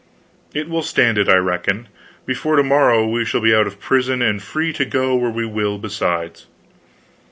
"It will stand it, I reckon. Before to morrow we shall be out of prison, and free to go where we will, besides."